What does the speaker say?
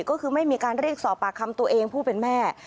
ก็คือไม่มีการเรียกสอบปากคำตัวเองผู้เป็นแม่